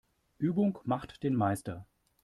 Übung macht den Meister.